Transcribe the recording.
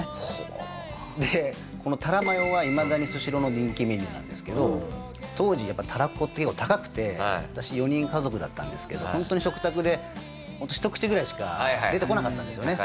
でこのたらマヨはいまだにスシローの人気メニューなんですけど当時やっぱりたらこって結構高くて私４人家族だったんですけどホントに食卓でひと口ぐらいしか出てこなかったんですよね。